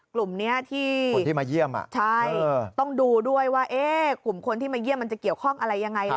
ครูกร๒๐๐๕ต้องดูเลยว่ากลุ่มคนที่มาเยี่ยมจะเกี่ยวข้อมูลอย่างไร